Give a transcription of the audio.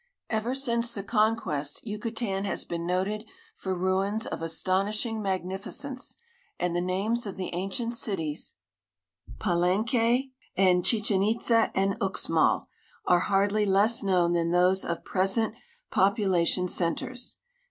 Ever since the compiest Yucatan has been noteil for ruins of astonishing magnificence, and the names c>f the ancient cities, Palemiueand Chichen Itza and Uxmal, an? hanlly less known than those of ))iesent population centers.